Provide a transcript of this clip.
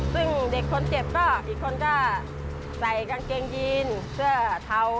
ซึ่งเด็กคนเจ็บก็อีกคนก็ใส่กางเกงยีนเสื้อเทา